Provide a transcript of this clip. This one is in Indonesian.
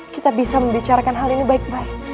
kita bisa membicarakan hal ini baik baik